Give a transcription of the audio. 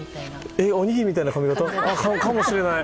え、おにぎりみたいな髪形？かもしれない。